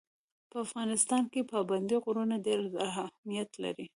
په افغانستان کې پابندی غرونه ډېر اهمیت لري.